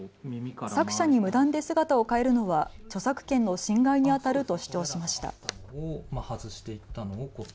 作者に無断で姿を変えるのは著作権の侵害にあたると主張しました。